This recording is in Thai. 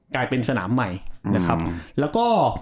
กลายเป็นสนามใหม่นะครับแล้วก็